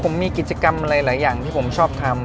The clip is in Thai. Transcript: ผมมีกิจกรรมอะไรหลายอย่างที่ผมชอบทำ